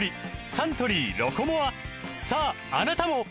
サントリー「ロコモア」さああなたも！